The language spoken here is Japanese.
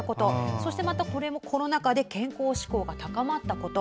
そしてこれもコロナ禍で健康志向が高まったこと。